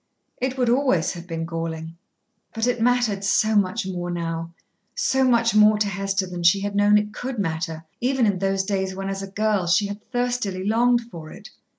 It would always have been galling. But it mattered so much more now so much more to Hester than she had known it could matter even in those days when as a girl she had thirstily longed for it.